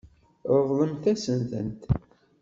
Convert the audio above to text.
Ṛeḍlemt-asen-tent.